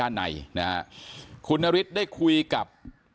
ไปด้านในคุณอธิบายได้คุยกับ